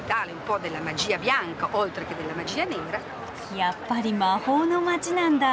やっぱり魔法の街なんだ。